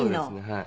はい。